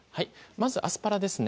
まずアスパラですね